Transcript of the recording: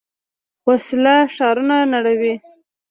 وسله ښارونه نړوي